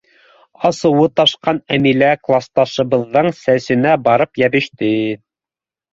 — Асыуы ташҡан Әмилә класташыбыҙҙың сәсенә барып йәбеште.